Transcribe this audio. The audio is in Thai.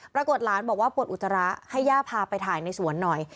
หลานบอกว่าปวดอุจจาระให้ย่าพาไปถ่ายในสวนหน่อย